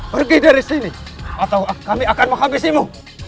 pergi dari sini atau kami akan menghabisimu